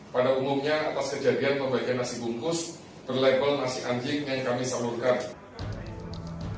pada umumnya atas kejadian pembagian nasi bungkus berlevel nasi anjing yang kami salurkan